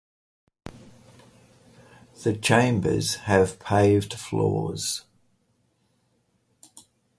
The chambers have paved floors.